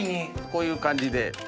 こういう感じで。